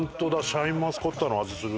シャインマスカットの味する。